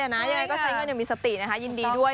ยังไงก็ใช้เงินอย่างมีสตินะคะยินดีด้วย